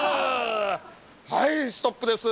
はいストップです。